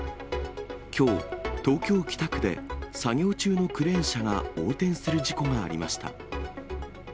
きょう、東京・北区で作業中のクレーン車が横転する事故がありました。